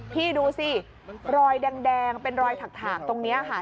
พี่ดูสิรอยแดงเป็นรอยถากตรงนี้ค่ะ